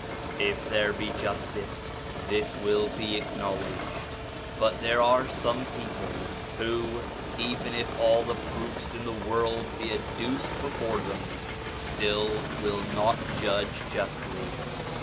If there be justice this will be acknowledged; but there are some people who, even if all the proofs in the world be adduced before them, still will not judge justly